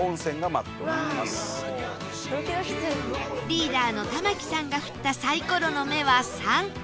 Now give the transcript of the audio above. リーダーの玉木さんが振ったサイコロの目は「３」